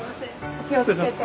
お気をつけて。